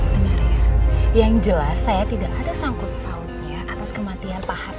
dengar ya yang jelas saya tidak ada sangkut pautnya atas kematian pak hartawan